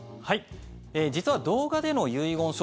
実は動画での遺言書